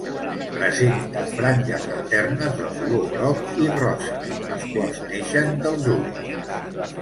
Presenta franges alternes de color groc i rosa, les quals neixen dels ulls.